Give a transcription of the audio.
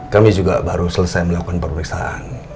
kami juga baru selesai melakukan pemeriksaan